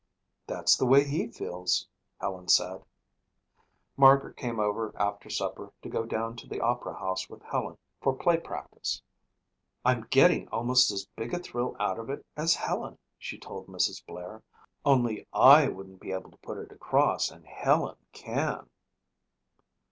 "That's the way he feels," Helen said. Margaret came over after supper to go down to the opera house with Helen for play practice. "I'm getting almost as big a thrill out of it as Helen," she told Mrs. Blair, "only I wouldn't be able to put it across and Helen can."